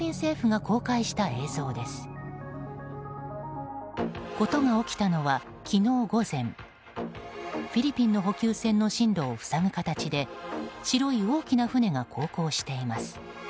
フィリピンの補給船の進路を塞ぐ形で白い大きな船が航行しています。